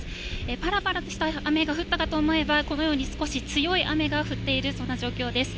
ぱらぱらとした雨が降ったかと思えば、このように少し強い雨が降っている、そんな状況です。